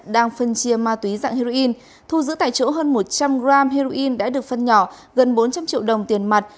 đang phân chia ma túy dạng heroin thu giữ tại chỗ hơn một trăm linh g heroin đã được phân nhỏ gần bốn trăm linh triệu đồng tiền mặt